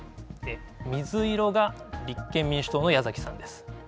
水色が立憲民主党の矢崎さんです。